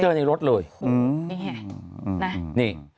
นี่แหละนี่